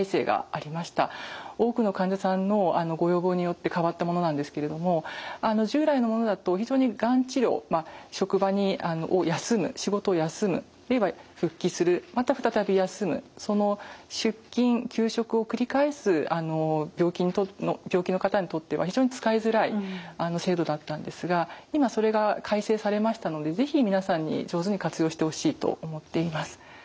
多くの患者さんのご要望によって変わったものなんですけれども従来のものだと非常にがん治療職場を休む仕事を休む復帰するまた再び休むその出勤・休職を繰り返す病気の方にとっては非常に使いづらい制度だったんですが今それが改正されましたので是非皆さんに上手に活用してほしいと思っています。